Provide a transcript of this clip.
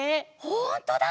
ほんとだ！